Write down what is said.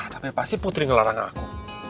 tapi pasti putri ngelarang aku